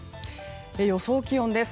予想気温です。